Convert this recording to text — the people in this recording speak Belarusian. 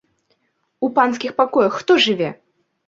У панскіх пакоях хто жыве?